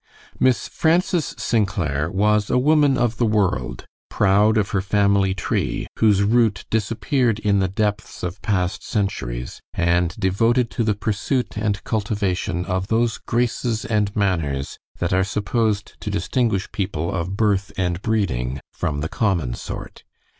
Miss Frances St. Clair was a woman of the world, proud of her family tree, whose root disappeared in the depths of past centuries, and devoted to the pursuit and cultivation of those graces and manners that are supposed to distinguish people of birth and breeding from the common sort.